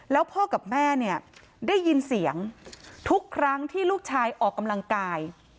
แล้วพ่อกับแม่เนี่ยได้ยินเสียงทุกครั้งที่ลูกชายออกกำลังกาย